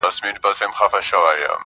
راته شله دی، وای گيتا سره خبرې وکړه_